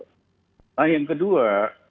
nah yang kedua